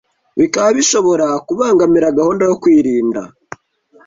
bikaba bishobora kubangamira gahunda yo kwirinda